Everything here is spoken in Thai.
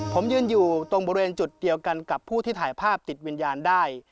ผมยืนอยู่ตรงบริเวณจุดเดียวกันกับผู้ที่ถ่ายภาพติดวิญญาณได้